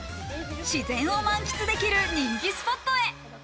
自然を満喫できる人気スポットへ。